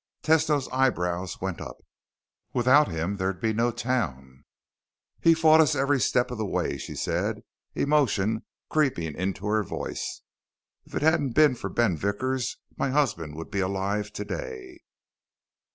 Tesno's eyebrows went up. "Without him there'd be no town." "He's fought us every step of the way," she said, emotion creeping into her voice. "If it hadn't been for Ben Vickers, my husband would be alive today."